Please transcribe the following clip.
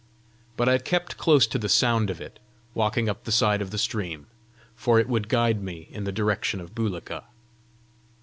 But I kept close to the sound of it, walking up the side of the stream, for it would guide me in the direction of Bulika.